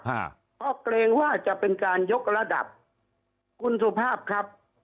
ฮะเพราะเกรงว่าจะเป็นการยกระดับคุณสุภาพครับ